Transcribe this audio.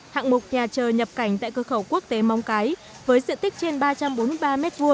hạng mục nhà chờ nhập cảnh tại cơ khẩu quốc tế móng cái với diện tích trên ba trăm bốn mươi ba m hai